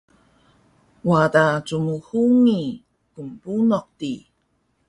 wada cmhungi knbunuh di